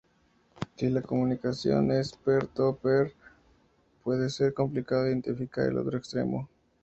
Si la comunicación es peer-to-peer, puede ser complicado identificar al otro extremo.